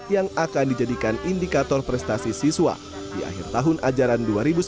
yang akan dijadikan indikator prestasi siswa di akhir tahun ajaran dua ribu sembilan belas dua ribu dua puluh